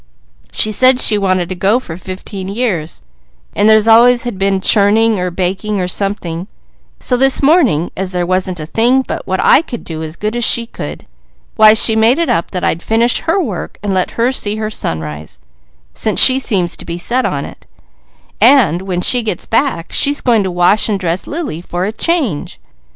She said she'd wanted to go for fifteen years, but there always had been churning, or baking, or something, so this morning, as there wasn't a thing but what I could do as good as she could, why we made it up that I'd finish her work and let her see her sunrise, since she seems to be set on it; and when she gets back she's going to wash and dress Lily for a change.